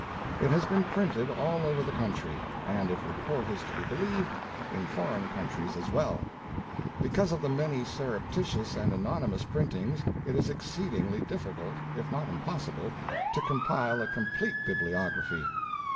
It has been printed all over the country, and if report is to be believed, in foreign countries as well. Because of the many surreptitious and anonymous printings it is exceedingly difficult, if not impossible, to compile a complete bibliography.